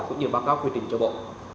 cũng như báo cáo quy trình cho bộ